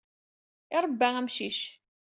Iṛebba amcic.